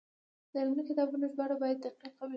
د علمي کتابونو ژباړه باید دقیقه وي.